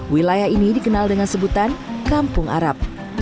wilayah ini dikenal dengan sebutan kampung arab